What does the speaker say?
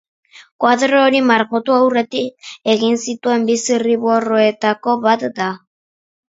Koadro hori margotu aurretik egin zituen bi zirriborroetako bat da.